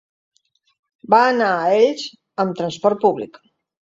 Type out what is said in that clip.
Va anar a Elx amb transport públic.